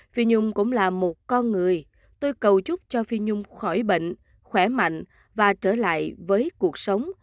phi nhung cũng là một con người tôi cầu chúc cho phi nhung khỏi bệnh khỏe mạnh và trở lại với cuộc sống